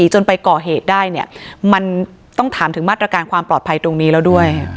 จนไปก่อเหตุได้เนี่ยมันต้องถามถึงมาตรการความปลอดภัยตรงนี้แล้วด้วย